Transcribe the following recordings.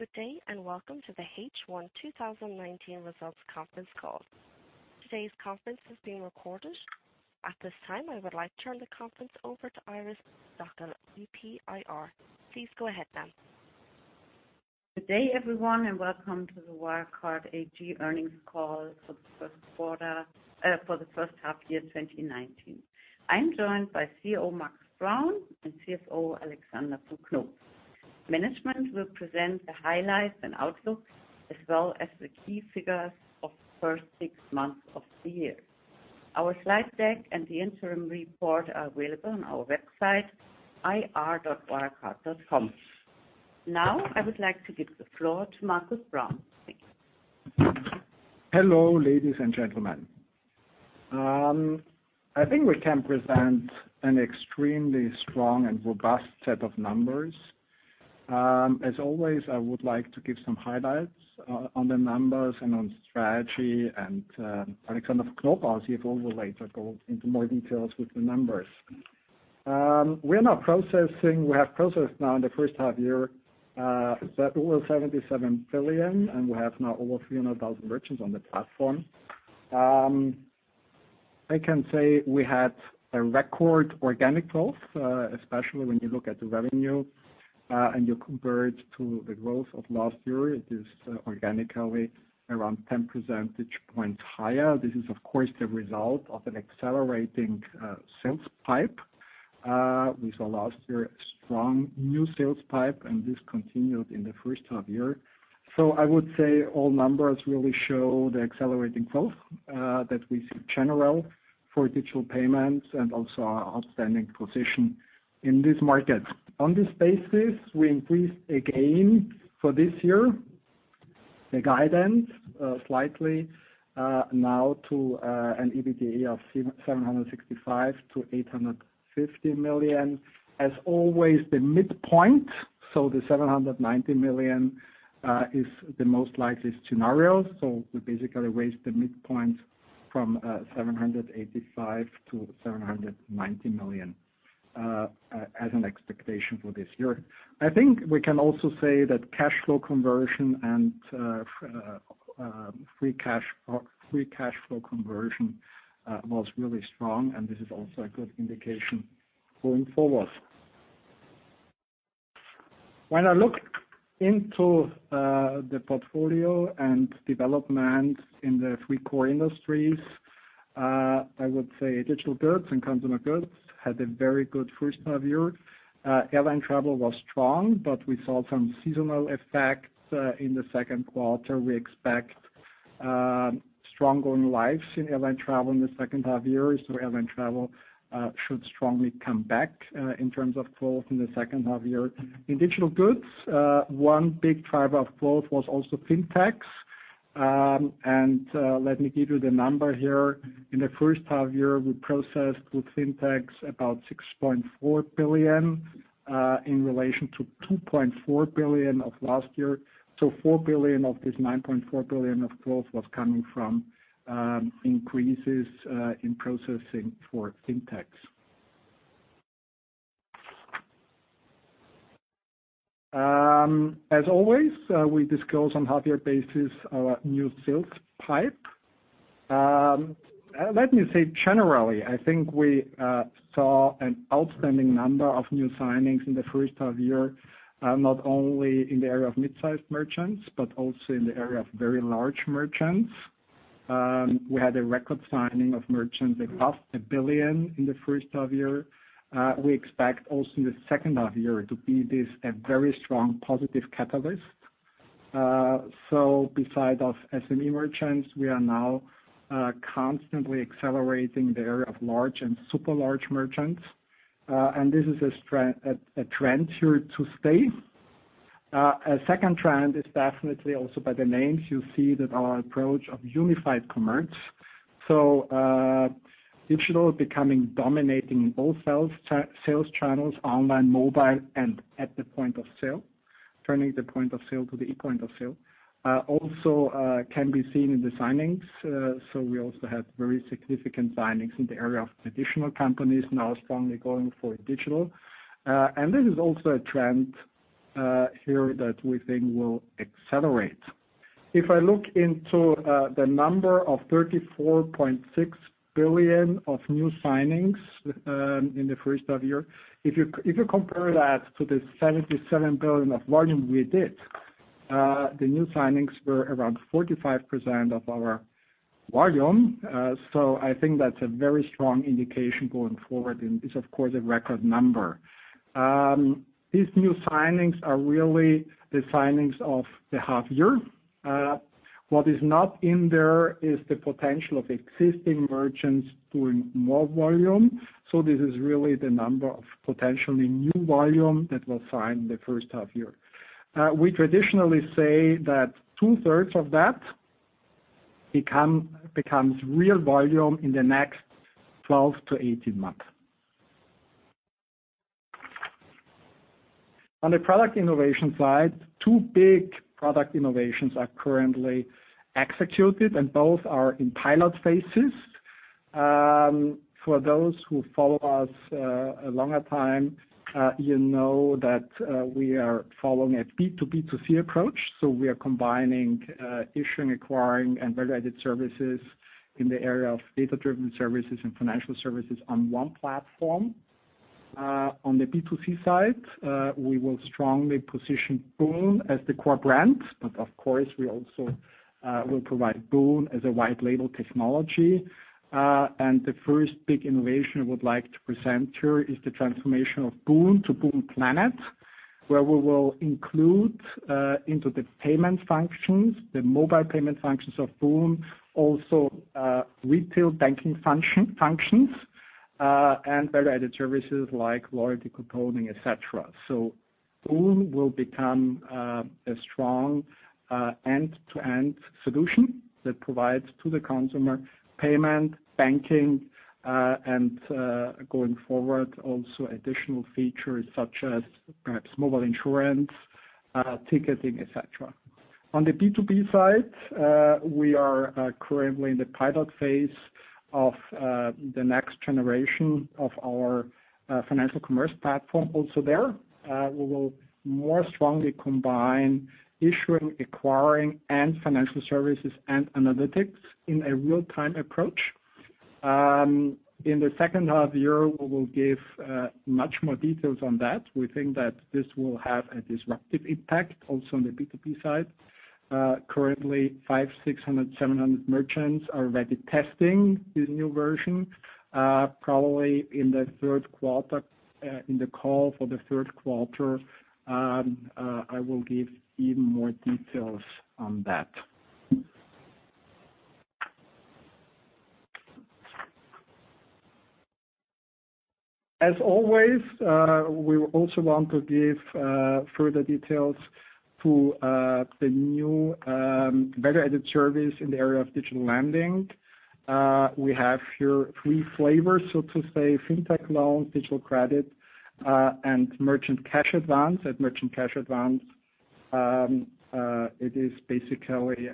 Good day, welcome to the H1 2019 results conference call. Today's conference is being recorded. At this time, I would like to turn the conference over to Iris Stöckl, VP IR. Please go ahead, ma'am. Good day, everyone, and welcome to the Wirecard AG earnings call for the first half year 2019. I'm joined by CEO, Markus Braun, and CFO, Alexander von Knoop. Management will present the highlights and outlook, as well as the key figures of the first six months of the year. Our slide deck and the interim report are available on our website, ir.wirecard.com. Now, I would like to give the floor to Markus Braun. Thank you. Hello, ladies and gentlemen. I think we can present an extremely strong and robust set of numbers. As always, I would like to give some highlights on the numbers and on strategy. Alexander von Knoop will later go into more details with the numbers. We have processed now in the first half year, over 77 billion, and we have now over 300,000 merchants on the platform. I can say we had a record organic growth, especially when you look at the revenue, and you compare it to the growth of last year. It is organically around 10 percentage points higher. This is, of course, the result of an accelerating sales pipe. We saw last year a strong new sales pipe, and this continued in the first half year. I would say all numbers really show the accelerating growth that we see general for digital payments and also our outstanding position in this market. On this basis, we increased again for this year, the guidance slightly, now to an EBITDA of 765 million-850 million. As always, the midpoint, so the 790 million, is the most likely scenario. We basically raised the midpoint from 785 million-790 million, as an expectation for this year. I think we can also say that cash flow conversion and free cash flow conversion was really strong, and this is also a good indication going forward. When I look into the portfolio and development in the three core industries, I would say digital goods and consumer goods had a very good first half-year. Airline travel was strong, but we saw some seasonal effects in the second quarter. We expect stronger growth in airline travel in the second half-year. Airline travel should strongly come back in terms of growth in the second half-year. In digital goods, one big driver of growth was also FinTechs. Let me give you the number here. In the first half-year, we processed with FinTechs about 6.4 billion, in relation to 2.4 billion of last year. 4 billion of this 9.4 billion of growth was coming from increases in processing for FinTechs. As always, we disclose on half-year basis our new sales pipe. Let me say generally, I think we saw an outstanding number of new signings in the first half-year, not only in the area of midsize merchants, but also in the area of very large merchants. We had a record signing of merchants above 1 billion in the first half-year. We expect also in the second half year to be this a very strong positive catalyst. Beside of SME merchants, we are now constantly accelerating the area of large and super large merchants. This is a trend here to stay. A second trend is definitely also by the names you see that our approach of unified commerce. Digital is becoming dominating in both sales channels, online, mobile and at the point of sale. Turning the point of sale to the e-point of sale, also can be seen in the signings. We also had very significant signings in the area of traditional companies now strongly going for digital. This is also a trend here that we think will accelerate. If I look into the number of 34.6 billion of new signings in the first half year, if you compare that to the 77 billion of volume we did, the new signings were around 45% of our volume. I think that's a very strong indication going forward and is of course, a record number. These new signings are really the signings of the half year. What is not in there is the potential of existing merchants doing more volume. This is really the number of potentially new volume that was signed the first half year. We traditionally say that two-thirds of that becomes real volume in the next 12 to 18 months. On the product innovation side, two big product innovations are currently executed and both are in pilot phases. For those who follow us a longer time, you know that we are following a B2B2C approach. We are combining issuing, acquiring, and value-added services in the area of data-driven services and financial services on one platform. On the B2C side, we will strongly position Boon as the core brand, but of course, we also will provide Boon as a white label technology. The first big innovation I would like to present here is the transformation of Boon to Boon Planet, where we will include into the payment functions, the mobile payment functions of Boon, also retail banking functions, and value-added services like loyalty coding, et cetera. Boon will become a strong end-to-end solution that provides to the consumer payment, banking, and going forward, also additional features such as perhaps mobile insurance, ticketing, et cetera. On the B2B side, we are currently in the pilot phase of the next generation of our financial commerce platform. There, we will more strongly combine issuing, acquiring, and financial services and analytics in a real-time approach. In the second half of the year, we will give much more details on that. We think that this will have a disruptive impact also on the B2B side. Currently, 500, 600, 700 merchants are already testing this new version. Probably in the call for the third quarter, I will give even more details on that. Always, we also want to give further details to the new value-added service in the area of digital lending. We have here three flavors, so to say, FinTech loans, digital credit, and merchant cash advance. At merchant cash advance, it is basically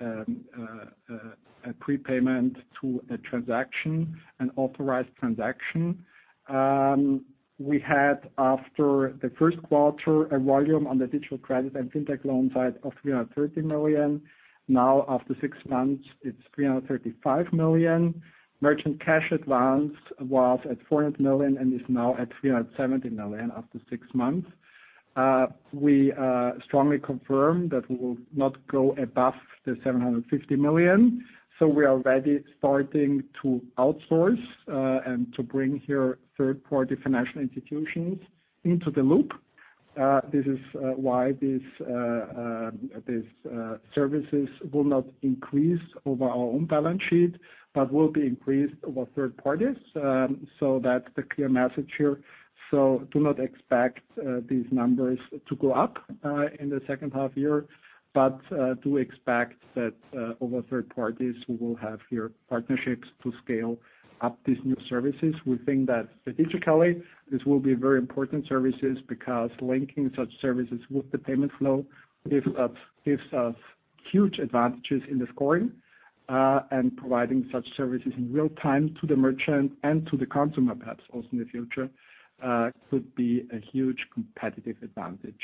a prepayment to a transaction, an authorized transaction. We had after the first quarter, a volume on the digital credit and FinTech loan side of 330 million. Now, after six months, it's 335 million. Merchant cash advance was at 400 million and is now at 370 million after six months. We strongly confirm that we will not go above the 750 million. We are already starting to outsource, and to bring here third-party financial institutions into the loop. This is why these services will not increase over our own balance sheet but will be increased over third parties. That's the clear message here. Do not expect these numbers to go up in the second half year, but do expect that over third parties, we will have here partnerships to scale up these new services. We think that strategically, this will be very important services because linking such services with the payment flow gives us huge advantages in the scoring. Providing such services in real time to the merchant and to the consumer, perhaps also in the future, could be a huge competitive advantage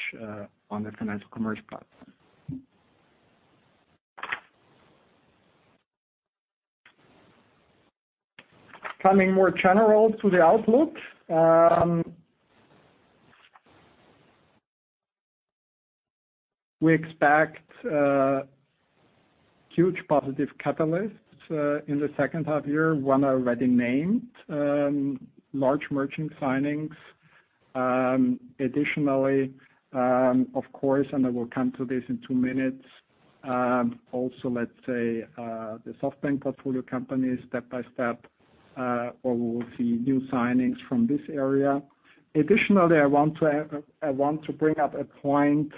on the financial commerce platform. Coming more general to the outlook. We expect huge positive catalysts in the second half year, one I already named, large merchant signings. Of course, and I will come to this in two minutes, also, let's say, the SoftBank portfolio companies step by step, where we will see new signings from this area. I want to bring up a point.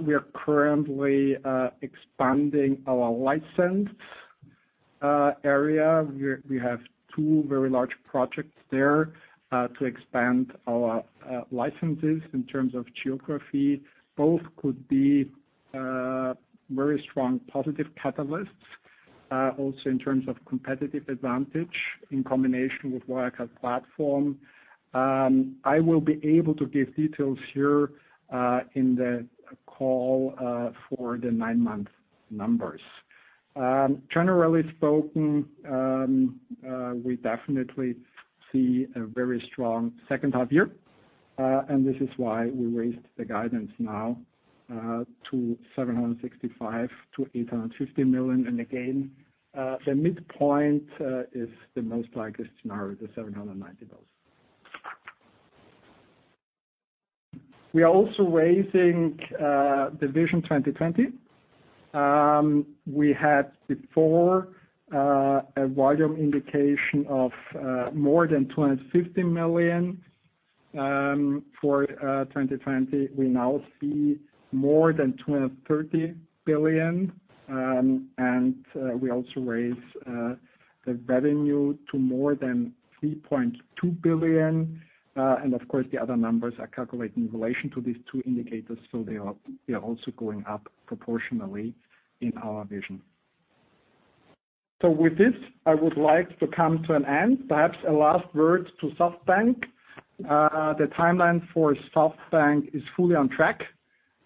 We are currently expanding our license area. We have two very large projects there, to expand our licenses in terms of geography. Both could be very strong positive catalysts, also in terms of competitive advantage in combination with Wirecard Platform. I will be able to give details here in the call for the nine-month numbers. Generally spoken, we definitely see a very strong second half year. This is why we raised the guidance now to 765 million to 850 million. Again, the midpoint is the most likely scenario, the 790 million. We are also raising the Vision 2020. We had before a volume indication of more than 250 million for 2020. We now see more than 230 billion. We also raise the revenue to more than 3.2 billion. Of course, the other numbers are calculated in relation to these two indicators. They are also going up proportionally in our vision. With this, I would like to come to an end. Perhaps a last word to SoftBank. The timeline for SoftBank is fully on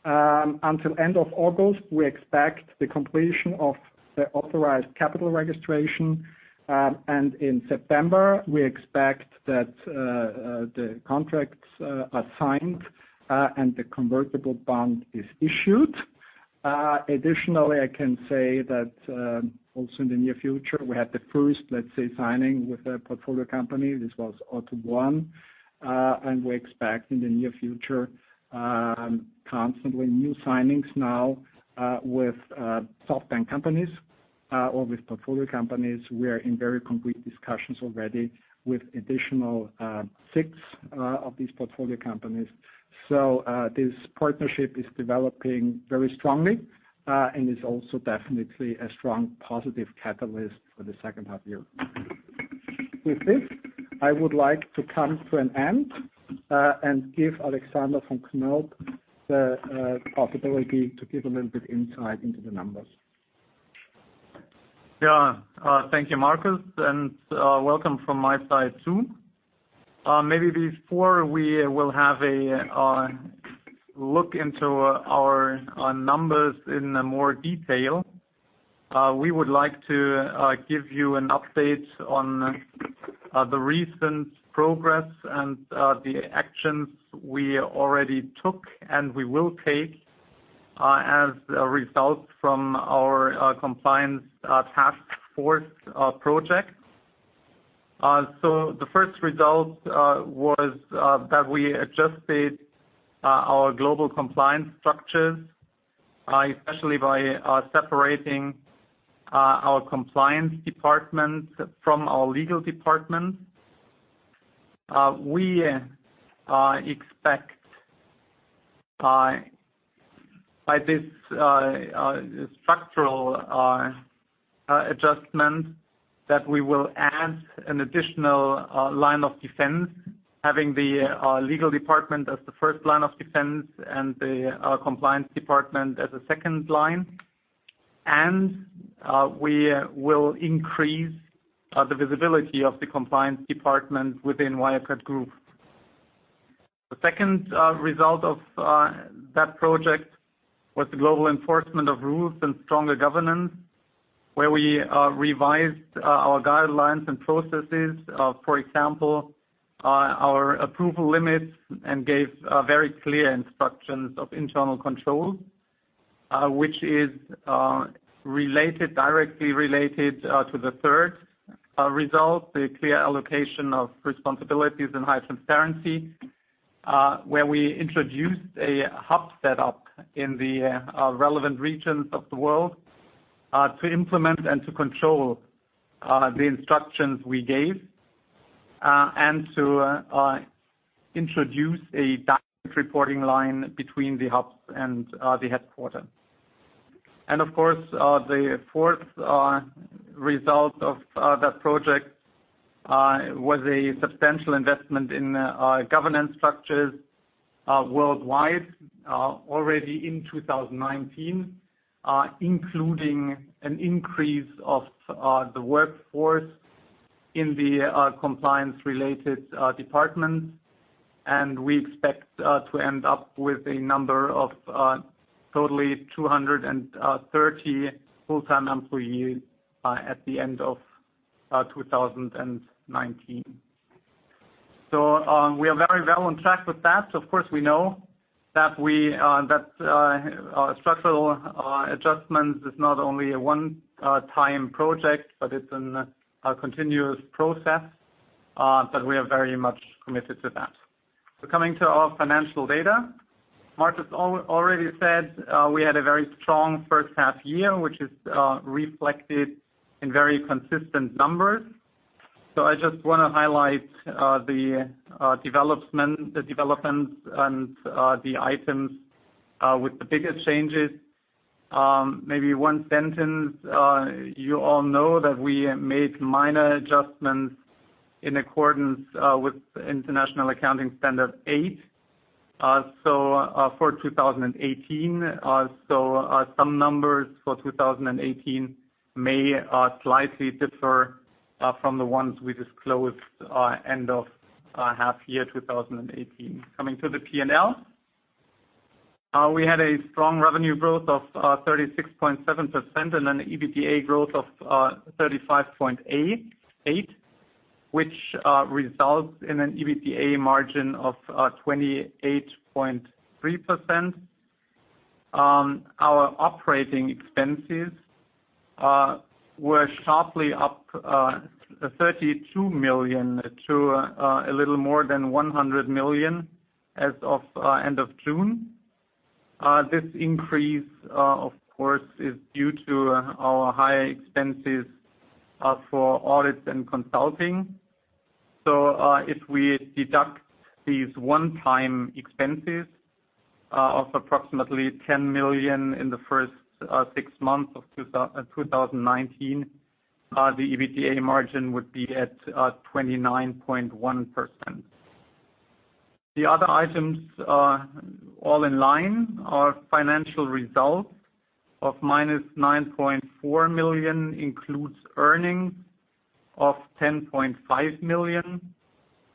track. Until end of August, we expect the completion of the authorized capital registration. In September, we expect that the contracts are signed and the convertible bond is issued. Additionally, I can say that also in the near future, we had the first, let's say, signing with a portfolio company. This was Auto1. We expect in the near future, constantly new signings now with SoftBank companies or with portfolio companies. We are in very complete discussions already with additional six of these portfolio companies. This partnership is developing very strongly, and is also definitely a strong positive catalyst for the second half year. With this, I would like to come to an end, and give Alexander von Knoop the possibility to give a little bit insight into the numbers. Thank you, Markus, and welcome from my side, too. Before we will have a look into our numbers in more detail, we would like to give you an update on the recent progress and the actions we already took and we will take as a result from our compliance task force project. The first result was that we adjusted our global compliance structures, especially by separating our compliance department from our legal department. We expect by this structural adjustment that we will add an additional line of defense, having the legal department as the first line of defense and the compliance department as a second line. We will increase the visibility of the compliance department within Wirecard Group. The second result of that project was the global enforcement of rules and stronger governance, where we revised our guidelines and processes. For example, our approval limits and gave very clear instructions of internal control, which is directly related to the third result, the clear allocation of responsibilities and high transparency, where we introduced a hub set up in the relevant regions of the world to implement and to control the instructions we gave, and to introduce a direct reporting line between the hubs and the headquarter. Of course, the fourth result of that project was a substantial investment in governance structures worldwide already in 2019, including an increase of the workforce in the compliance-related department, and we expect to end up with a number of totally 230 full-time employees at the end of 2019. We are very well on track with that. Of course, we know that structural adjustment is not only a one-time project, but it's a continuous process, we are very much committed to that. Coming to our financial data, Markus already said we had a very strong first half year, which is reflected in very consistent numbers. I just want to highlight the developments and the items with the biggest changes. Maybe one sentence, you all know that we made minor adjustments in accordance with International Accounting Standard 8 for 2018. Some numbers for 2018 may slightly differ from the ones we disclosed end of half year 2018. Coming to the P&L. We had a strong revenue growth of 36.7% and an EBITDA growth of 35.8%, which results in an EBITDA margin of 28.3%. Our operating expenses were sharply up 32 million to a little more than 100 million as of end of June. This increase, of course, is due to our high expenses for audits and consulting. If we deduct these one-time expenses of approximately 10 million in the first six months of 2019, the EBITDA margin would be at 29.1%. The other items are all in line. Our financial results of minus 9.4 million includes earnings of 10.5 million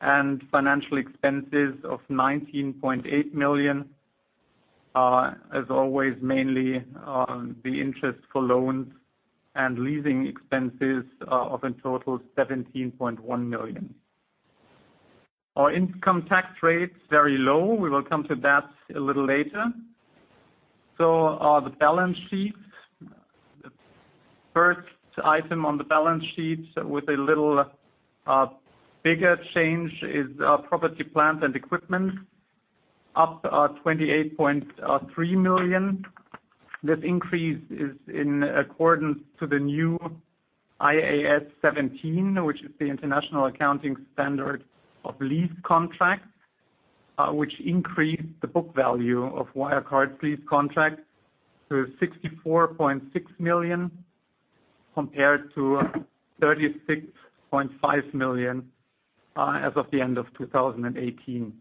and financial expenses of 19.8 million, as always, mainly on the interest for loans and leasing expenses of a total 17.1 million. Our income tax rate's very low. We will come to that a little later. The balance sheet. First item on the balance sheet with a little bigger change is our property, plant and equipment, up 28.3 million. This increase is in accordance to the new IFRS 16, which is the International Accounting Standard of lease contracts, which increased the book value of Wirecard's lease contract to 64.6 million, compared to 36.5 million as of the end of 2018.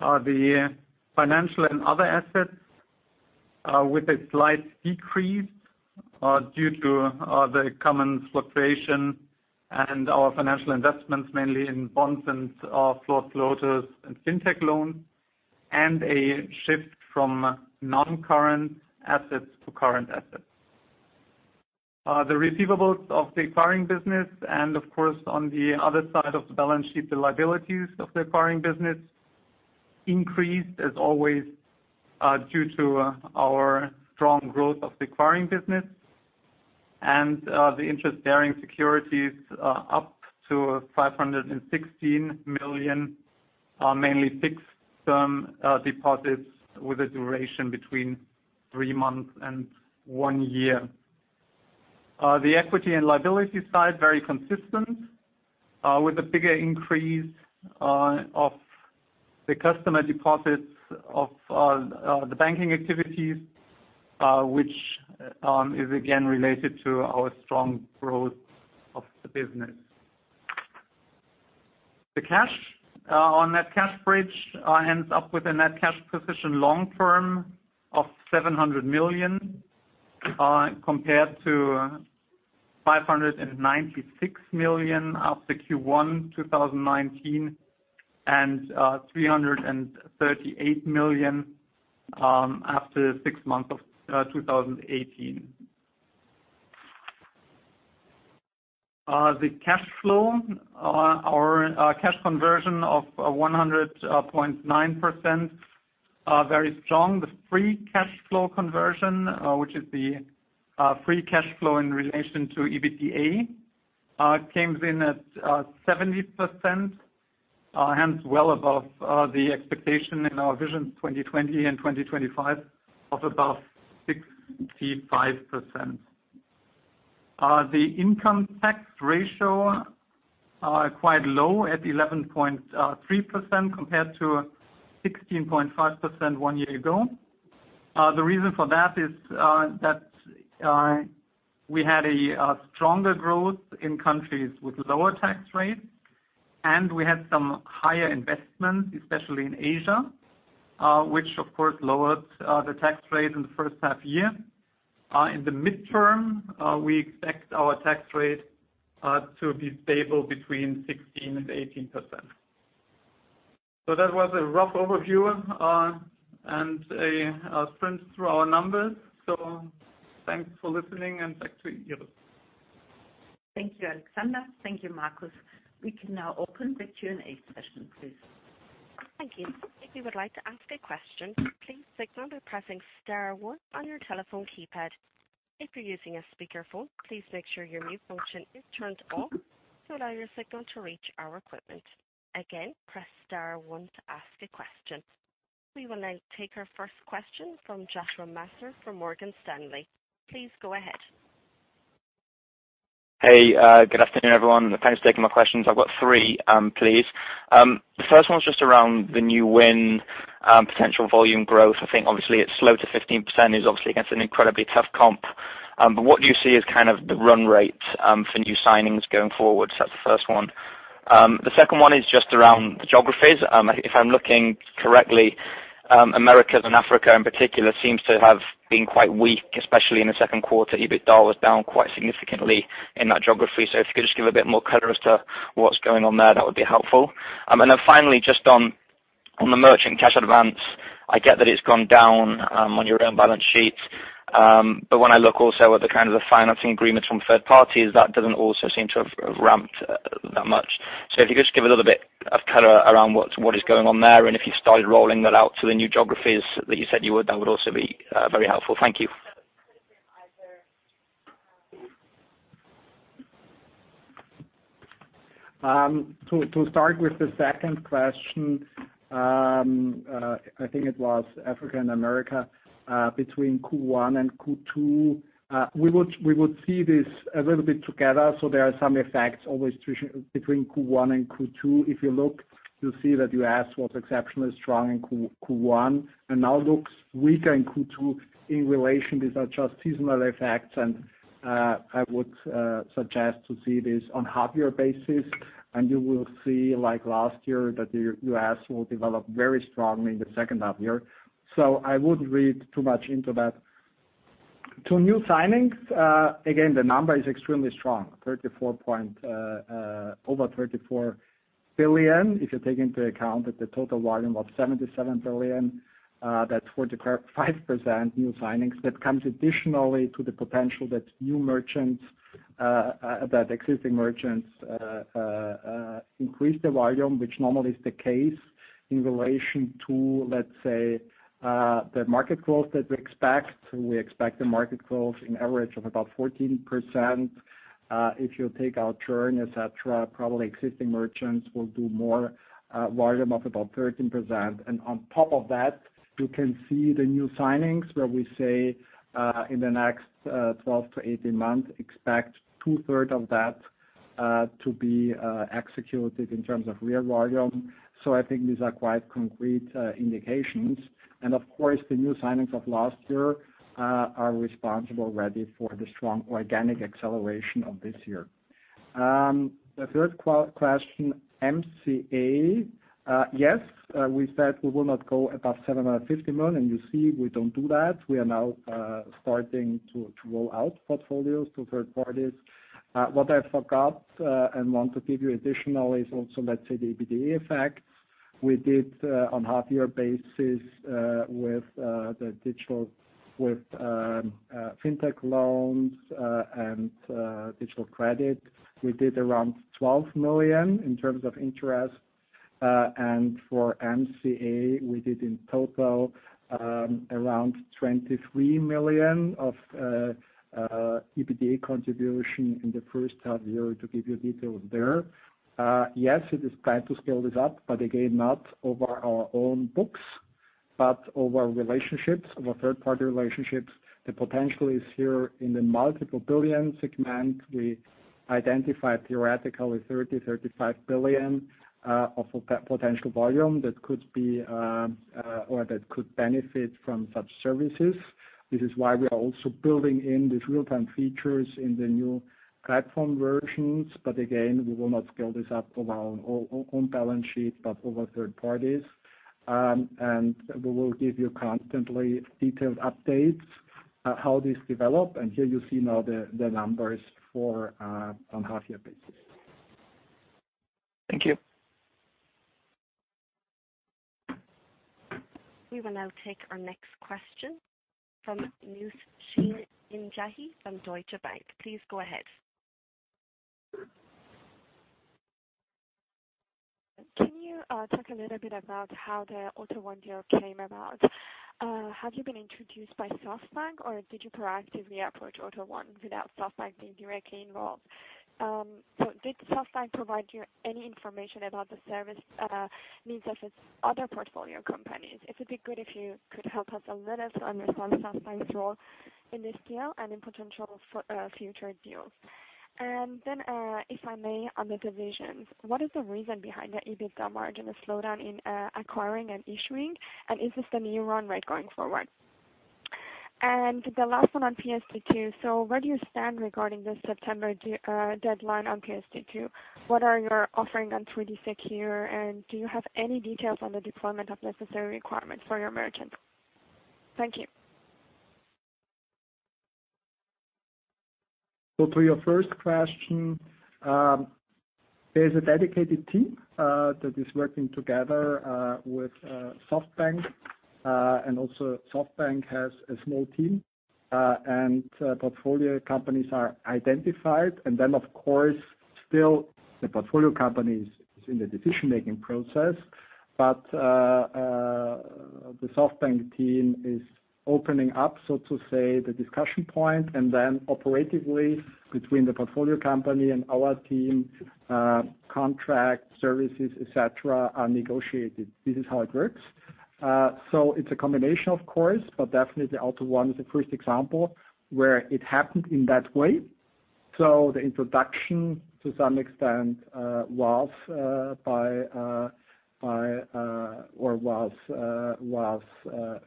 The financial and other assets are with a slight decrease, due to the common fluctuation and our financial investments, mainly in bonds and floored floaters and FinTech loans, and a shift from non-current assets to current assets. The receivables of the acquiring business, of course on the other side of the balance sheet, the liabilities of the acquiring business, increased as always, due to our strong growth of the acquiring business. The interest-bearing securities are up to 516 million, are mainly fixed deposits with a duration between three months and one year. The equity and liability side, very consistent, with a bigger increase of the customer deposits of the banking activities, which is again related to our strong growth of the business. The cash on that cash bridge ends up with a net cash position long-term of 700 million, compared to 596 million after Q1 2019 and 338 million after six months of 2018. The cash flow or cash conversion of 100.9%, very strong. The free cash flow conversion, which is the free cash flow in relation to EBITDA, comes in at 70%, hence well above the expectation in our Vision 2020 and Vision 2025 of above 65%. The income tax ratio are quite low at 11.3% compared to 16.5% one year ago. The reason for that is that we had a stronger growth in countries with lower tax rates, and we had some higher investments, especially in Asia, which of course lowered the tax rate in the first half year. In the midterm, we expect our tax rate to be stable between 16%-18%. That was a rough overview and a sprint through our numbers. Thanks for listening, and back to you. Thank you, Alexander. Thank you, Markus. We can now open the Q&A session, please. Thank you. If you would like to ask a question, please signal by pressing star one on your telephone keypad. If you're using a speakerphone, please make sure your mute function is turned off to allow your signal to reach our equipment. Again, press star one to ask a question. We will now take our first question from Joseph Mayster from Morgan Stanley. Please go ahead. Hey, good afternoon, everyone. Thanks for taking my questions. I've got three, please. The first one's just around the new win potential volume growth. I think obviously it's slow to 15% is obviously against an incredibly tough comp. What do you see as kind of the run rate for new signings going forward? That's the first one. The second one is just around the geographies. If I'm looking correctly, Americas and Africa in particular seems to have been quite weak, especially in the second quarter. EBITDA was down quite significantly in that geography. If you could just give a bit more color as to what's going on there, that would be helpful. Then finally, just on the merchant cash advance, I get that it's gone down on your own balance sheet. When I look also at the kind of the financing agreements from third parties, that doesn't also seem to have ramped that much. If you could just give a little bit of color around what is going on there, and if you started rolling that out to the new geographies that you said you would, that would also be very helpful. Thank you. To start with the second question, I think it was Africa and America, between Q1 and Q2, we would see this a little bit together. There are some effects always between Q1 and Q2. If you look, you'll see that U.S. was exceptionally strong in Q1 and now looks weaker in Q2 in relation. These are just seasonal effects, and I would suggest to see this on half-year basis, and you will see, like last year, that the U.S. will develop very strongly in the second half year. I wouldn't read too much into that. To new signings, again, the number is extremely strong, over 34 billion. If you take into account that the total volume of 77 billion, that's 45% new signings. That comes additionally to the potential that existing merchants increase their volume, which normally is the case in relation to, let's say, the market growth that we expect. We expect the market growth in average of about 14%. If you take out churn, et cetera, probably existing merchants will do more volume of about 13%. On top of that, you can see the new signings where we say, in the next 12-18 months, expect two-third of that to be executed in terms of real volume. I think these are quite concrete indications. Of course, the new signings of last year are responsible already for the strong organic acceleration of this year. The third question, MCA. Yes, we said we will not go above 750 million. You see, we don't do that. We are now starting to roll out portfolios to third parties. What I forgot and want to give you additional is also, let's say, the EBITDA effects. We did on half year basis, with FinTech loans, and digital credit. We did around 12 million in terms of interest. For MCA, we did in total around 23 million of EBITDA contribution in the first half year to give you details there. Yes, it is planned to scale this up, but again, not over our own books, but over relationships, over third-party relationships. The potential is here in the multiple billion segment. We identify theoretically 30 billion-35 billion of potential volume that could benefit from such services. This is why we are also building in these real-time features in the new platform versions. Again, we will not scale this up over our own balance sheet, but over third parties. We will give you constantly detailed updates, how this develop. Here you see now the numbers on half year basis. Thank you. We will now take our next question from Nooshin Nejati from Deutsche Bank. Please go ahead. Can you talk a little bit about how the Auto1 deal came about? Have you been introduced by SoftBank, or did you proactively approach Auto1 without SoftBank being directly involved? Did SoftBank provide you any information about the service needs of its other portfolio companies? It would be good if you could help us a little to understand SoftBank's role in this deal and in potential future deals. If I may, on the divisions, what is the reason behind the EBITDA margin, a slowdown in acquiring and issuing, and is this the new run rate going forward? The last one on PSD2. Where do you stand regarding the September deadline on PSD2? What are your offering on 3D Secure, and do you have any details on the deployment of necessary requirements for your merchants? Thank you. To your first question, there's a dedicated team, that is working together with SoftBank, and also SoftBank has a small team, and portfolio companies are identified. Of course, still the portfolio companies is in the decision-making process. The SoftBank team is opening up, so to say, the discussion point, and then operatively between the portfolio company and our team, contract services, et cetera, are negotiated. This is how it works. It's a combination of course, but definitely Auto1 is the first example where it happened in that way. The introduction to some extent, was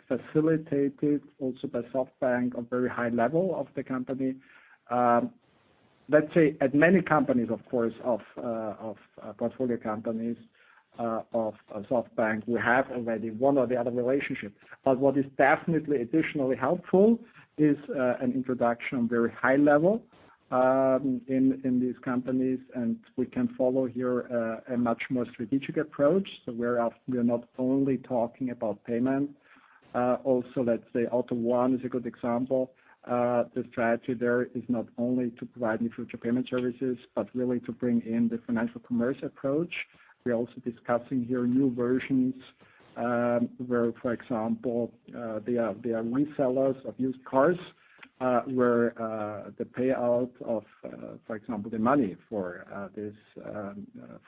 facilitated also by SoftBank on very high level of the company. Let's say at many companies, of course, of portfolio companies of SoftBank, we have already one or the other relationship. What is definitely additionally helpful is an introduction on very high level in these companies. We can follow here a much more strategic approach. We're not only talking about payment. Also, let's say Auto1 is a good example. The strategy there is not only to provide new future payment services, but really to bring in the financial commerce approach. We're also discussing here new versions, where, for example, they are resellers of used cars, where the payout of, for example, the money for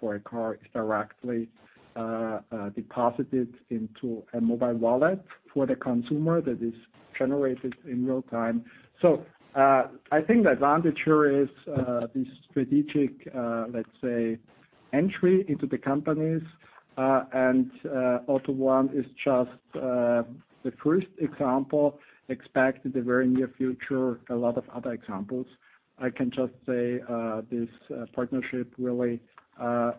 a car is directly deposited into a mobile wallet for the consumer that is generated in real time. I think the advantage here is the strategic, let's say, entry into the companies. Auto1 is just the first example. Expect in the very near future, a lot of other examples. I can just say this partnership really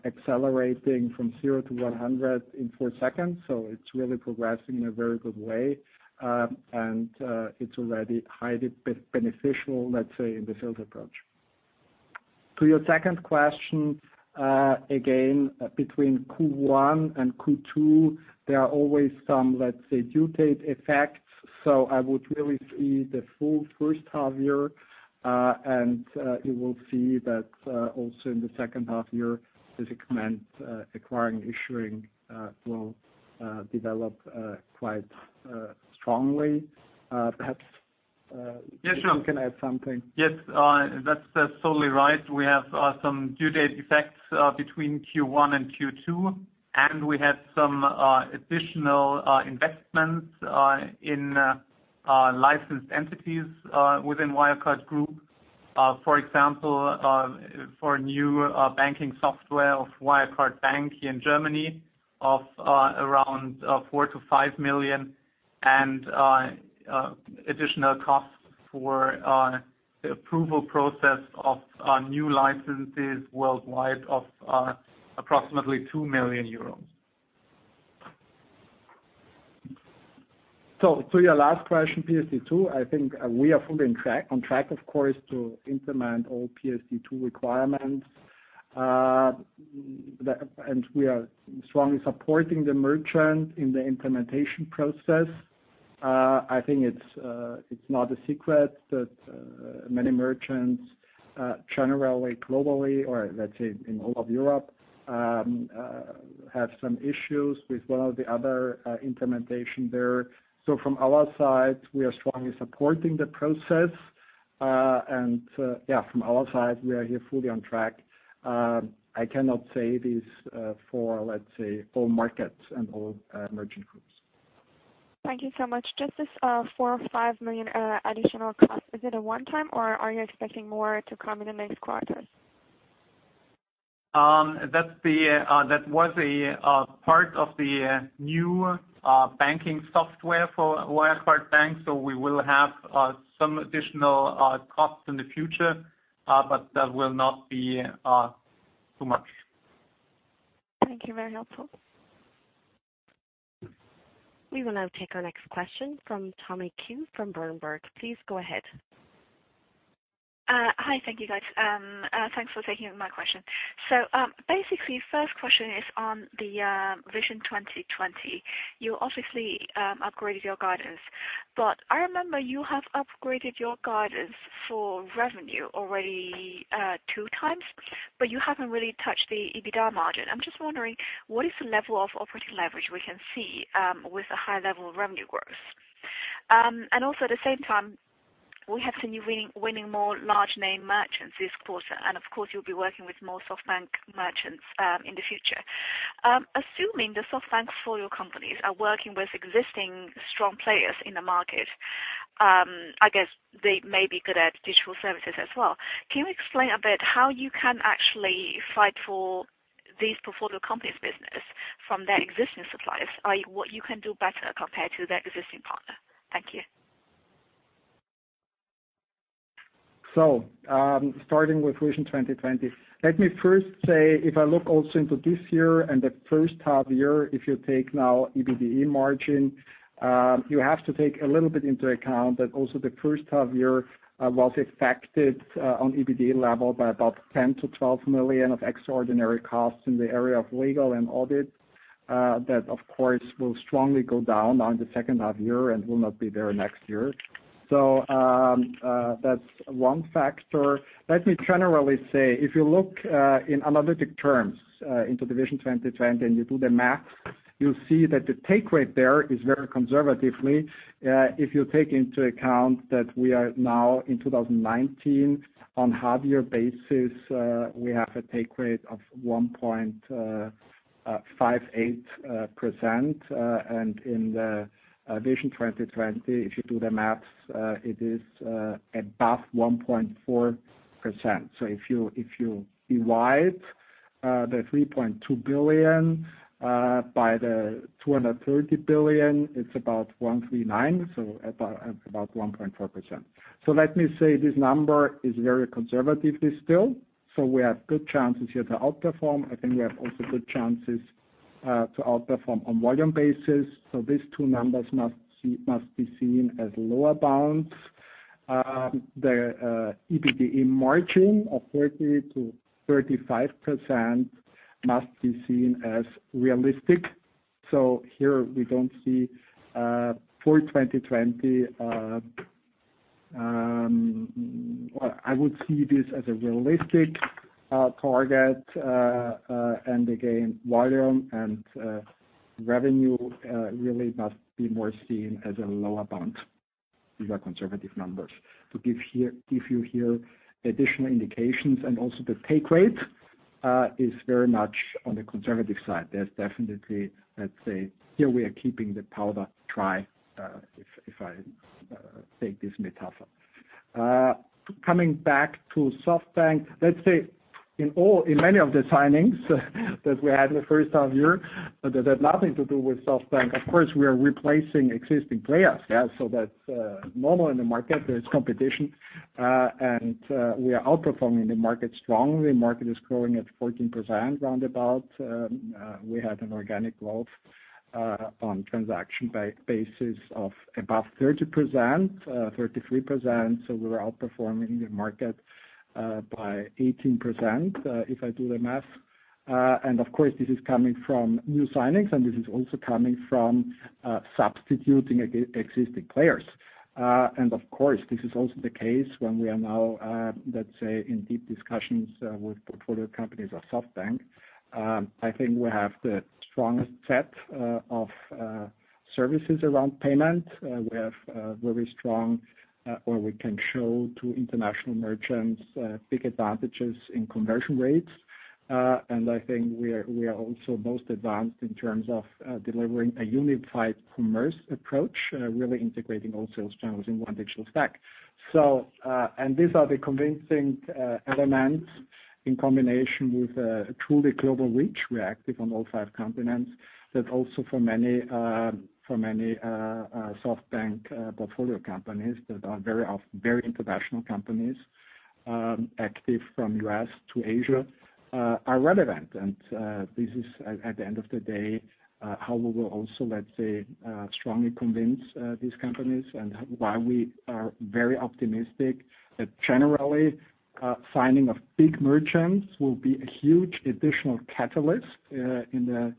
accelerating from 0 to 100 in 4 seconds. It's really progressing in a very good way. It's already highly beneficial, let's say, in the sales approach. To your second question, again, between Q1 and Q2, there are always some, let's say, due date effects. I would really see the full first half year, and you will see that also in the second half year, business acquiring, issuing will develop quite strongly. Yeah, sure. you can add something. Yes, that's totally right. We have some due date effects between Q1 and Q2, and we have some additional investments in licensed entities within Wirecard Group. For example, for new banking software of Wirecard Bank in Germany of around 4 million-5 million, and additional costs for the approval process of new licenses worldwide of approximately EUR 2 million. To your last question, PSD2, I think we are fully on track, of course, to implement all PSD2 requirements. We are strongly supporting the merchant in the implementation process. I think it's not a secret that many merchants, generally, globally, or let's say in all of Europe, have some issues with one or the other implementation there. From our side, we are strongly supporting the process. Yeah, from our side, we are here fully on track. I cannot say this for, let's say, all markets and all merchant groups. Thank you so much. Just this four million or five million additional cost. Is it a one time, or are you expecting more to come in the next quarters? That was a part of the new banking software for Wirecard Bank, so we will have some additional costs in the future, but that will not be too much. Thank you. Very helpful. We will now take our next question from Tommy Kim from Bloomberg. Please go ahead. Hi. Thank you, guys. Thanks for taking my question. Basically, first question is on the Vision 2020. You obviously upgraded your guidance. I remember you have upgraded your guidance for revenue already two times, but you haven't really touched the EBITDA margin. I'm just wondering, what is the level of operating leverage we can see with the high level of revenue growth? Also at the same time, we have seen you winning more large name merchants this quarter, and of course, you'll be working with more SoftBank merchants in the future. Assuming the SoftBank portfolio companies are working with existing strong players in the market, I guess they may be good at digital services as well. Can you explain a bit how you can actually fight for these portfolio companies business from their existing suppliers? What you can do better compared to their existing partner? Thank you. Starting with Vision 2020. Let me first say, if I look also into this year and the first half year, if you take now EBITDA margin, you have to take a little bit into account that also the first half year was affected on EBITDA level by about 10 million to 12 million of extraordinary costs in the area of legal and audit. That, of course, will strongly go down on the second half year and will not be there next year. That's one factor. Let me generally say, if you look in analytic terms into the Vision 2020 and you do the math, you'll see that the take rate there is very conservatively. If you take into account that we are now in 2019 on half-year basis, we have a take rate of 1.58%, and in the Vision 2020, if you do the maths, it is above 1.4%. If you divide the 3.2 billion by the 230 billion, it's about 139, about 1.4%. Let me say this number is very conservatively still. We have good chances here to outperform. I think we have also good chances to outperform on volume basis. These two numbers must be seen as lower bounds. The EBITDA margin of 30%-35% must be seen as realistic. Here we don't see, for 2020, I would see this as a realistic target, and again, volume and revenue really must be more seen as a lower bound. These are conservative numbers. To give you here additional indications, and also the take rate is very much on the conservative side. There's definitely, let's say, here we are keeping the powder dry, if I take this metaphor. Coming back to SoftBank. Let's say in many of the signings that we had in the first half year, that had nothing to do with SoftBank. Of course, we are replacing existing players. That's normal in the market. There's competition. We are outperforming the market strongly. Market is growing at 14%, roundabout. We had an organic growth on transaction basis of above 30%, 33%. We're outperforming the market by 18%, if I do the math. Of course, this is coming from new signings, and this is also coming from substituting existing players. Of course, this is also the case when we are now let's say, in deep discussions with portfolio companies of SoftBank. I think we have the strongest set of services around payment. We have very strong, or we can show to international merchants, big advantages in conversion rates. I think we are also most advanced in terms of delivering a unified commerce approach, really integrating all sales channels in one digital stack. These are the convincing elements in combination with a truly global reach. We are active on all five continents, that also for many SoftBank portfolio companies that are very international companies, active from U.S. to Asia, are relevant. This is at the end of the day, how we will also let's say, strongly convince these companies and why we are very optimistic that generally, signing of big merchants will be a huge additional catalyst in the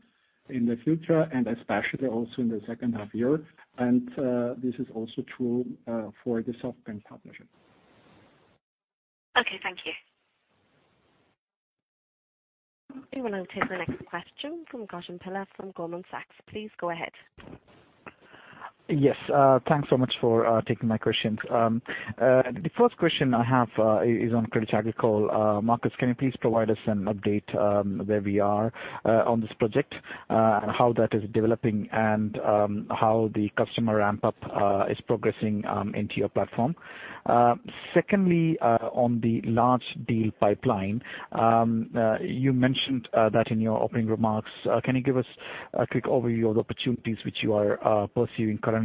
future, and especially also in the second half year. This is also true for the SoftBank partnership. Okay. Thank you. Okay. We'll now take the next question from Gajan Pillai from Goldman Sachs. Please go ahead. Yes. Thanks so much for taking my questions. The first question I have is on Crédit Agricole. Markus, can you please provide us an update where we are on this project, and how that is developing and how the customer ramp up is progressing into your platform? Secondly, on the large deal pipeline, you mentioned that in your opening remarks. Can you give us a quick overview of the opportunities which you are pursuing currently?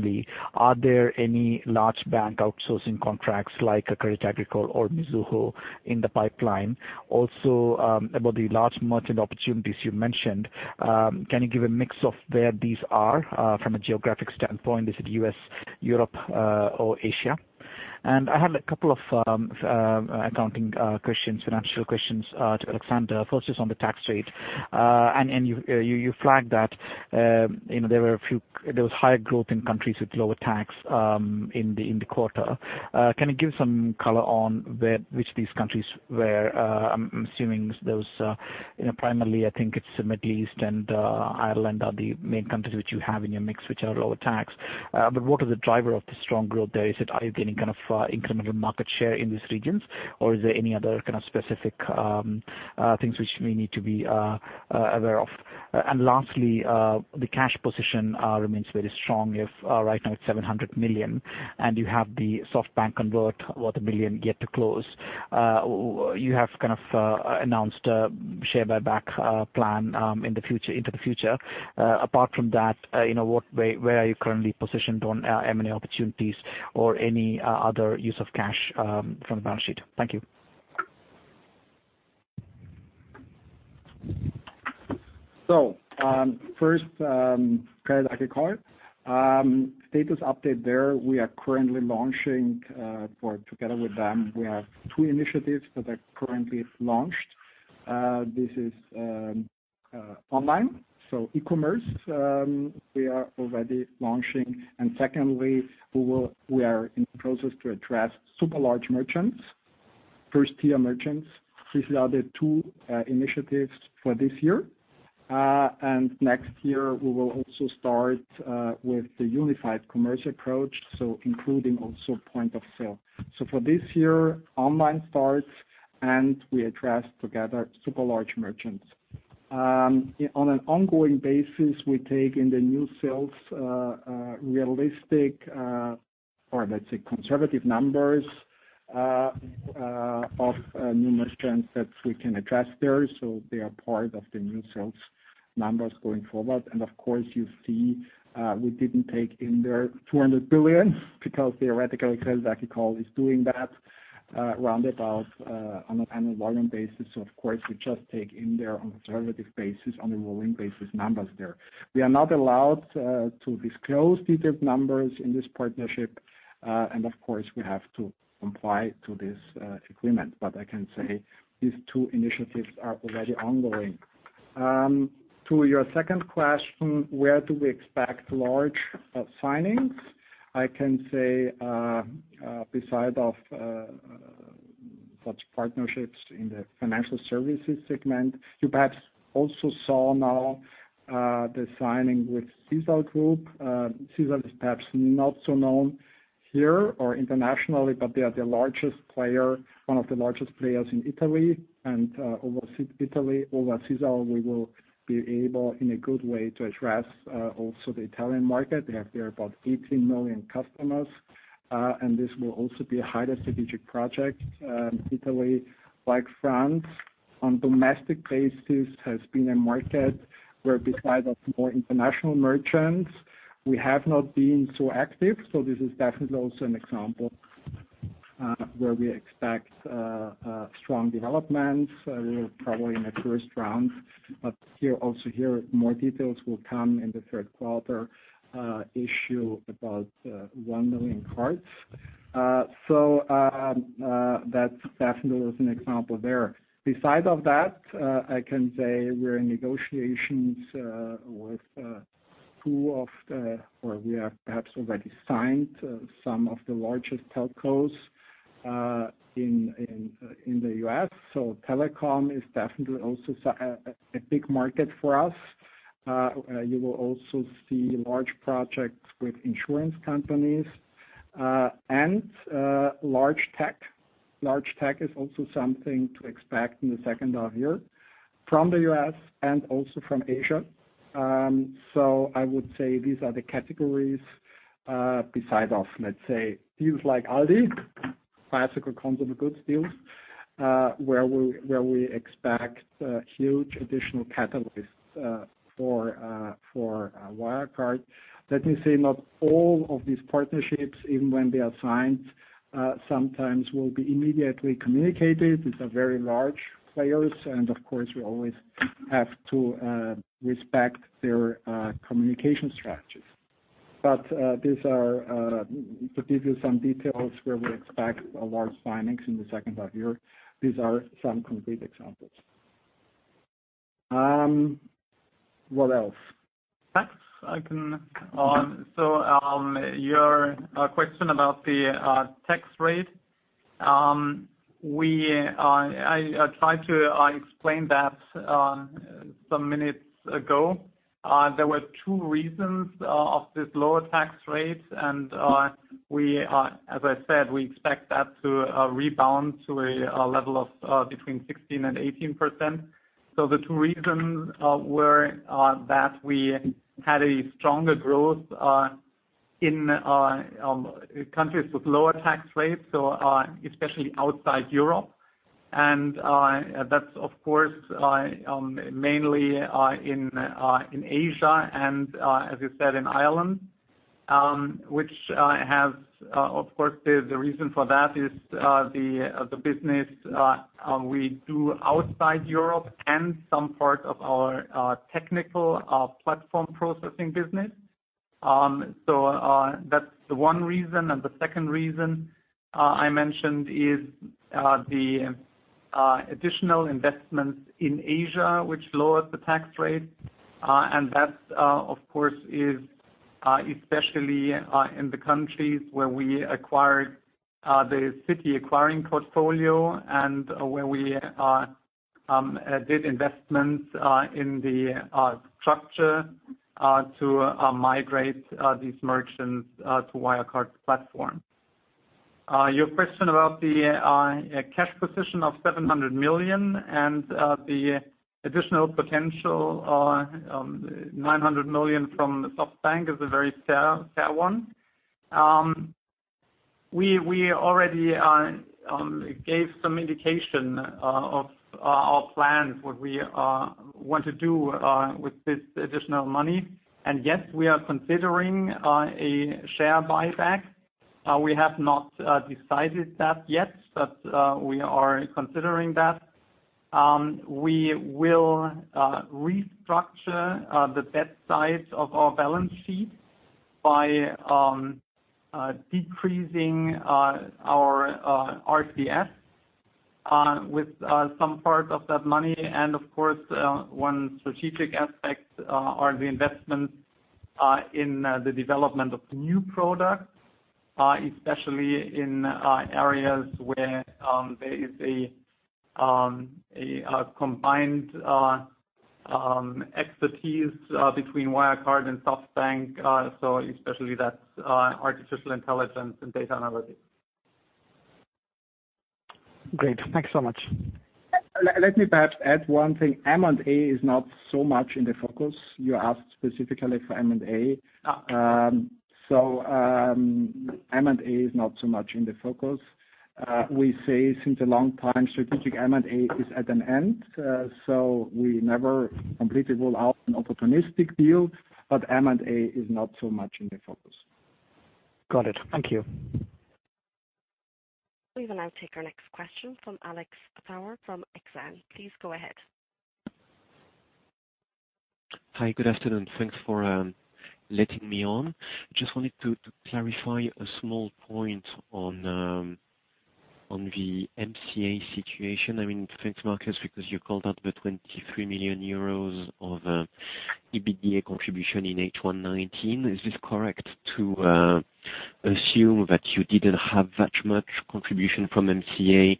Are there any large bank outsourcing contracts like Crédit Agricole or Mizuho in the pipeline? Also, about the large merchant opportunities you mentioned, can you give a mix of where these are from a geographic standpoint? Is it U.S., Europe, or Asia? I had a couple of accounting questions, financial questions to Alexander. You flagged that there was high growth in countries with lower tax in the quarter. Can you give some color on which these countries were? I'm assuming there was, primarily, I think it's the Middle East and Ireland are the main countries which you have in your mix, which are lower tax. What is the driver of the strong growth there? Is it any kind of incremental market share in these regions, or is there any other kind of specific things which we need to be aware of? Lastly, the cash position remains very strong if right now it's 700 million, and you have the SoftBank convert, what 1 billion yet to close. You have kind of announced a share buyback plan into the future. Apart from that, where are you currently positioned on M&A opportunities or any other use of cash from the balance sheet? Thank you. First, Crédit Agricole. Status update there, we are currently launching for together with them, we have two initiatives that are currently launched. This is online, e-commerce, we are already launching. Secondly, we are in the process to address super large merchants, first-tier merchants. These are the two initiatives for this year. Next year, we will also start with the unified commerce approach, including also point of sale. For this year, online starts and we address together super large merchants. On an ongoing basis, we take in the new sales, realistic, or let's say conservative numbers of new merchants that we can address there. They are part of the new sales numbers going forward. Of course, you see we didn't take in their 200 billion because theoretically, Crédit Agricole is doing that round about on an annual volume basis. Of course, we just take in their on conservative basis, on a rolling basis numbers there. We are not allowed to disclose detailed numbers in this partnership. Of course, we have to comply to this agreement. I can say these two initiatives are already ongoing. To your second question, where do we expect large signings? I can say beside of such partnerships in the financial services segment, you perhaps also saw now the signing with Sisal Group. Sisal is perhaps not so known here or internationally, but they are one of the largest players in Italy. Over Italy, over Sisal, we will be able in a good way to address also the Italian market. They have there about 18 million customers. This will also be a highly strategic project. Italy, like France, on domestic basis, has been a market where beside of more international merchants, we have not been so active. This is definitely also an example where we expect strong developments. We will probably in the first round, but also here, more details will come in the third quarter issue about 1 million cards. That definitely was an example there. Besides that, I can say we're in negotiations with two or we have perhaps already signed some of the largest telcos in the U.S. Telecom is definitely also a big market for us. You will also see large projects with insurance companies, and large tech. Large tech is also something to expect in the second half year from the U.S. and also from Asia. I would say these are the categories besides, let's say, deals like Aldi, classical consumer goods deals, where we expect huge additional catalysts for Wirecard. Let me say, not all of these partnerships, even when they are signed, sometimes will be immediately communicated. These are very large players, and of course, we always have to respect their communication strategies. To give you some details where we expect a large signings in the second half year, these are some complete examples. What else? Perhaps I can. Your question about the tax rate. I tried to explain that some minutes ago. There were two reasons of this lower tax rate. As I said, we expect that to rebound to a level of between 16% and 18%. The two reasons were that we had a stronger growth in countries with lower tax rates, especially outside Europe. That's, of course, mainly in Asia and, as you said, in Ireland, which has, of course, the reason for that is the business we do outside Europe and some part of our technical platform processing business. That's the one reason and the second reason I mentioned is the additional investments in Asia, which lowered the tax rate. That, of course, is especially in the countries where we acquired the Citi acquiring portfolio and where we did investments in the structure to migrate these merchants to Wirecard platform. Your question about the cash position of 700 million and the additional potential, 900 million from SoftBank is a very fair one. We already gave some indication of our plans, what we want to do with this additional money. Yes, we are considering a share buyback. We have not decided that yet, but we are considering that. We will restructure the debt side of our balance sheet by decreasing our RCF with some part of that money. Of course, one strategic aspect are the investments in the development of new products, especially in areas where there is a combined expertise between Wirecard and SoftBank. Especially that artificial intelligence and data analytics. Great. Thanks so much. Let me perhaps add one thing. M&A is not so much in the focus. You asked specifically for M&A. M&A is not so much in the focus. We say since a long time, strategic M&A is at an end. We never completely rule out an opportunistic deal. M&A is not so much in the focus. Got it. Thank you. We will now take our next question from Alexandre Faure from Exane. Please go ahead. Hi, good afternoon. Thanks for letting me on. Just wanted to clarify a small point on the MCA situation. Thanks, Markus, you called out the 23 million euros of EBITDA contribution in H1 2019. Is this correct to assume that you didn't have that much contribution from MCA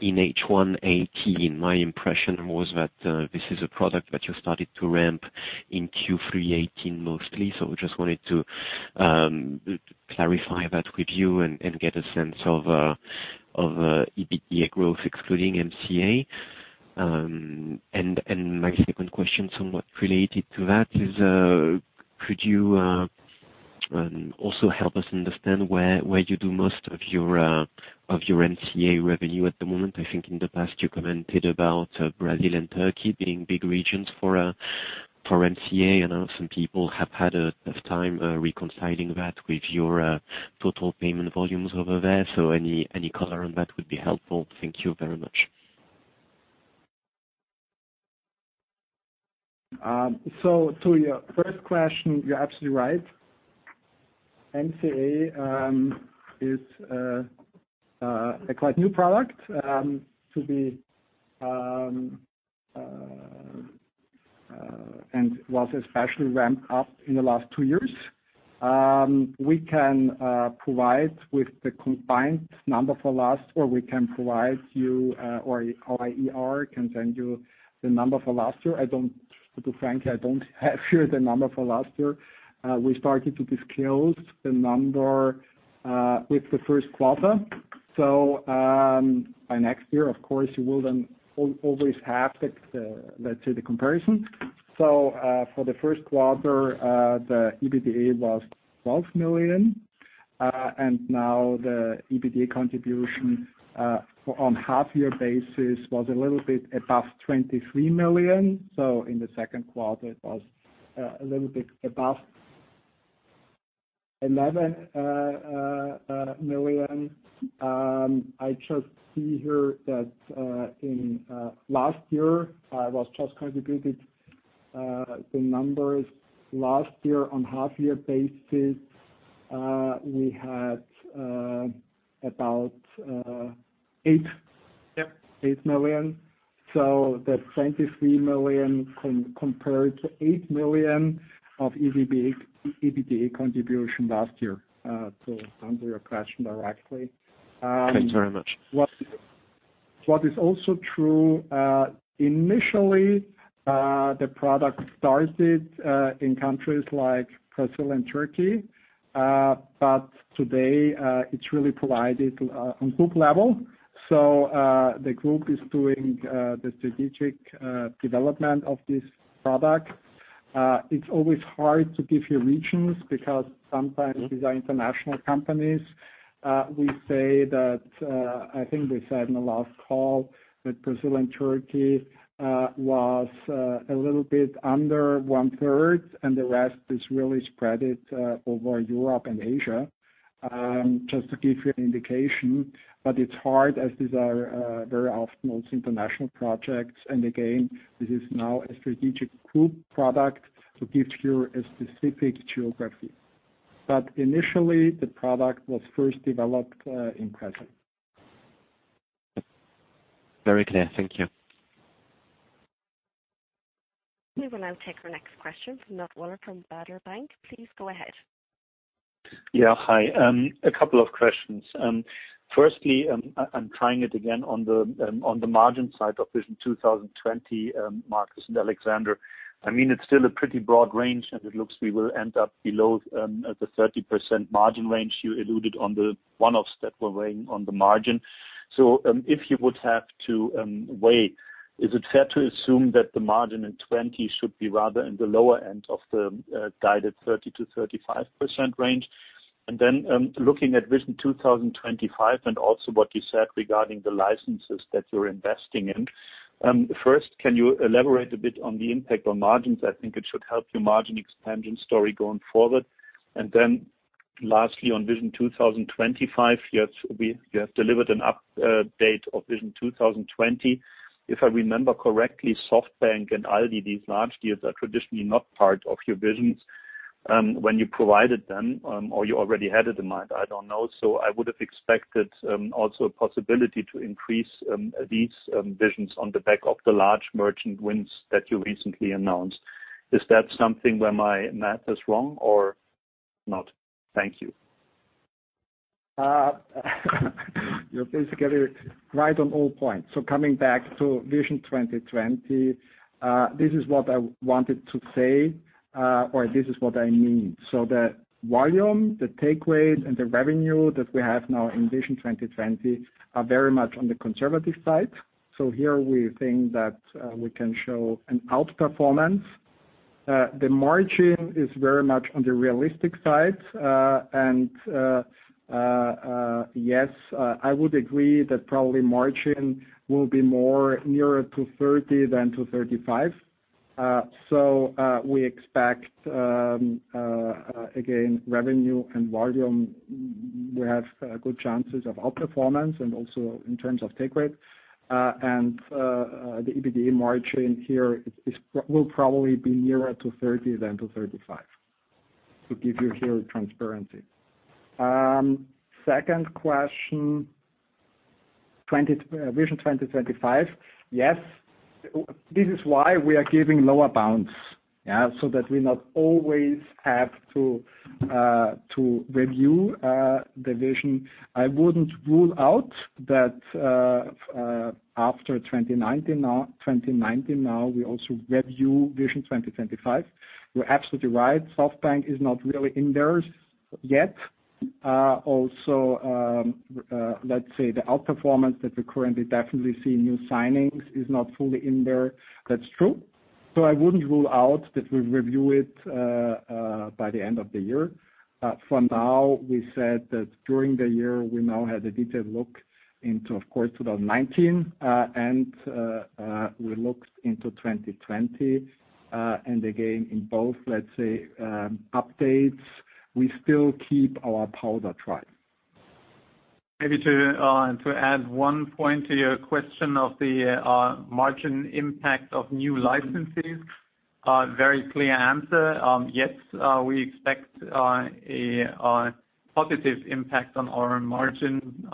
in H1 2018? My impression was that this is a product that you started to ramp in Q3 2018 mostly. Just wanted to clarify that with you and get a sense of EBITDA growth excluding MCA. My second question somewhat related to that is, could you also help us understand where you do most of your MCA revenue at the moment? I think in the past you commented about Brazil and Turkey being big regions for MCA, I know some people have had a tough time reconciling that with your total payment volumes over there, so any color on that would be helpful. Thank you very much. To your first question, you're absolutely right. MCA is a quite new product, and was especially ramped up in the last two years. We can provide you, or our IR can send you the number for last year. Frankly, I don't have here the number for last year. We started to disclose the number with the first quarter. By next year, of course, you will then always have, let's say, the comparison. For the first quarter, the EBITDA was 12 million. Now the EBITDA contribution on half-year basis was a little bit above 23 million. In the second quarter, it was a little bit above 11 million. I just see here that in last year, I was just contributed the numbers. Last year on half-year basis, we had about. 8 million. That 23 million compared to 8 million of EBITDA contribution last year, to answer your question directly. Thanks very much. What is also true, initially, the product started in countries like Brazil and Turkey. Today, it's really provided on group level. The group is doing the strategic development of this product. It's always hard to give you regions because sometimes these are international companies. I think we said in the last call that Brazil and Turkey was a little bit under one-third, and the rest is really spread over Europe and Asia, just to give you an indication. It's hard as these are very often most international projects, and again, this is now a strategic group product to give you a specific geography. Initially, the product was first developed in Brazil. Very clear. Thank you. We will now take our next question from Knut Woller from Baader Bank. Please go ahead. Yeah. Hi. A couple of questions. I'm trying it again on the margin side of Vision 2020, Markus and Alexander. It's still a pretty broad range, and it looks we will end up below the 30% margin range you alluded on the one-offs that were weighing on the margin. If you would have to weigh, is it fair to assume that the margin in 2020 should be rather in the lower end of the guided 30%-35% range? Looking at Vision 2025 and also what you said regarding the licenses that you're investing in. Can you elaborate a bit on the impact on margins? I think it should help your margin expansion story going forward. Lastly, on Vision 2025, you have delivered an update of Vision 2020. If I remember correctly, SoftBank and Aldi, these large deals are traditionally not part of your visions when you provided them, or you already had it in mind, I don't know. I would have expected also a possibility to increase these visions on the back of the large merchant wins that you recently announced. Is that something where my math is wrong or not? Thank you. You're basically right on all points. Coming back to Vision 2020, this is what I wanted to say, or this is what I mean. The volume, the take rate, and the revenue that we have now in Vision 2020 are very much on the conservative side. Here we think that we can show an out-performance. The margin is very much on the realistic side. Yes, I would agree that probably margin will be more nearer to 30 than to 35. We expect, again, revenue and volume, we have good chances of out-performance and also in terms of take rate. The EBITDA margin here will probably be nearer to 30 than to 35, to give you here transparency. Second question, Vision 2025. Yes. This is why we are giving lower bounds. That we not always have to review the vision. I wouldn't rule out that after 2019 now, we also review Vision 2025. You're absolutely right, SoftBank is not really in there yet. Let's say the out-performance that we currently definitely see new signings is not fully in there. That's true. I wouldn't rule out that we review it by the end of the year. From now, we said that during the year, we now had a detailed look into, of course, 2019, and we looked into 2020. Again, in both, let's say, updates, we still keep our powder dry. Maybe to add one point to your question of the margin impact of new licenses. Very clear answer. Yes, we expect a positive impact on our margin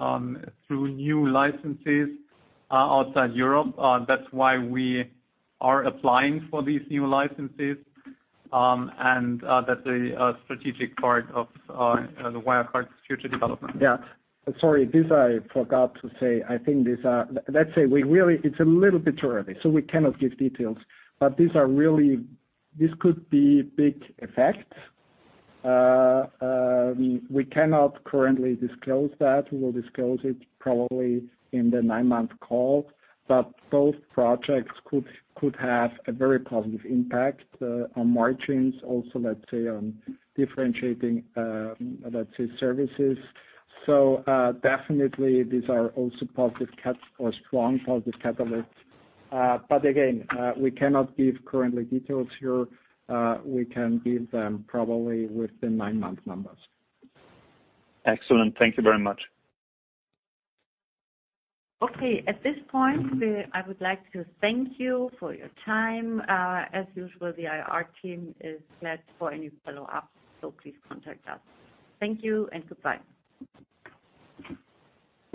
through new licenses outside Europe. That's why we are applying for these new licenses, and that's a strategic part of the Wirecard's future development. Sorry, this I forgot to say. Let's say it's a little bit early, so we cannot give details. This could be big effects. We cannot currently disclose that. We will disclose it probably in the nine-month call. Both projects could have a very positive impact on margins, also, let's say, on differentiating services. Definitely these are also positive catalysts or strong positive catalysts. Again, we cannot give currently details here. We can give them probably with the nine-month numbers. Excellent. Thank you very much. Okay, at this point, I would like to thank you for your time. As usual, the IR team is glad for any follow-up, so please contact us. Thank you and goodbye.